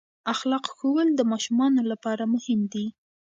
اخلاق ښوول د ماشومانو لپاره مهم دي.